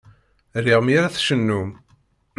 Riɣ mi ara tcennum.